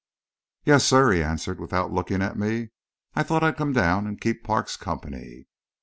"Yes, sir," he answered, without looking at me. "I thought I'd come down and keep Parks company."